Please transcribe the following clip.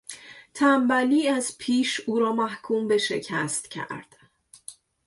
تنبلی از پیش او را محکوم به شکست کرد.